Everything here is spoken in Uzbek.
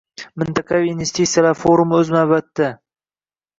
Mintaqaviy investitsiyalar forumlari o'z navbatida, o'z navbatida